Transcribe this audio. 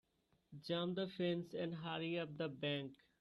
Jump the fence and hurry up the bank.